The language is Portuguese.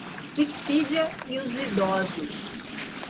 Wikipedia e os idosos.